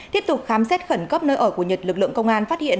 tiếp tục khám xét khẩn cấp nơi ở của nhật lực lượng công an phát hiện